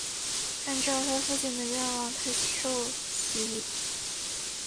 按照她父亲的愿望她受洗礼。